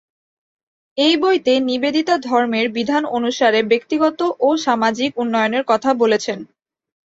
এই বইতে নিবেদিতা ধর্মের বিধান অনুসারে ব্যক্তিগত ও সামাজিক উন্নয়নের কথা বলেছেন।